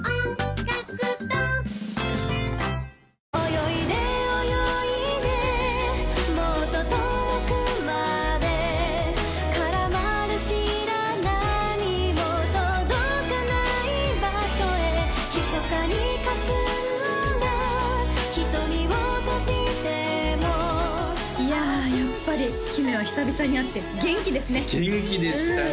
泳いで泳いでもっと遠くまで絡まる白波も届かない場所へ密かに霞んだ瞳を閉じてもいややっぱり姫は久々に会って元気ですね元気でしたね